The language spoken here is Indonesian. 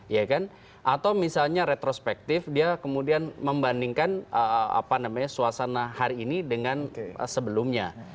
ya kan atau misalnya retrospektif dia kemudian membandingkan suasana hari ini dengan sebelumnya